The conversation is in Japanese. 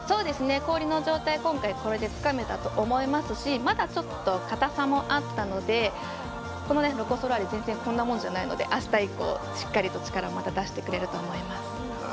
氷の状態、今回これでつかめたと思いますしまだちょっとかたさもあったのでこのロコ・ソラーレ全然こんなもんじゃないのであした以降しっかりとまた力出してくれると思います。